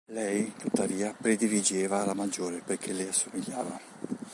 Lei tuttavia prediligeva la maggiore perché le assomigliava.